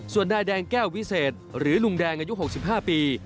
ส่วนนายแดงแก้ววิเศษหรือลุงแดงอายุ๖๕ปี